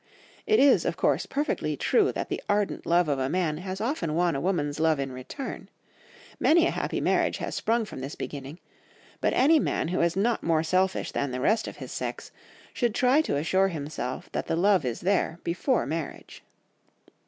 It is, of course, perfectly true that the ardent love of a man has often won a woman's love in return; many a happy marriage has sprung from this beginning; but any man who is not more selfish than the rest of his sex, should try to assure himself that the love is there before marriage.